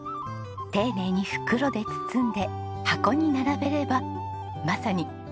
丁寧に袋で包んで箱に並べればまさに箱入り娘です。